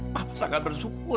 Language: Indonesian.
mama sangat bersyukur